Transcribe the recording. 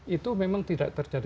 itu memang tidak tercari